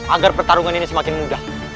agar pertarungan ini semakin mudah